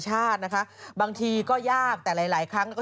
จากกระแสของละครกรุเปสันนิวาสนะฮะ